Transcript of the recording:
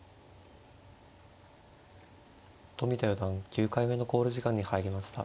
冨田四段９回目の考慮時間に入りました。